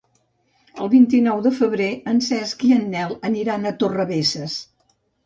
El vint-i-nou de febrer en Cesc i en Nel aniran a Torrebesses.